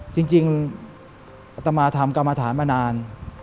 จริงอัตมาทำกรรมฐานมานาน